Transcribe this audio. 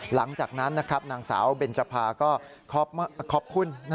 หลังจากนั้นนางสาวเบนจภาก็ขอบคุณ